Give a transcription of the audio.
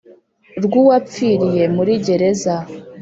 Rw uwapfiriye muri gereza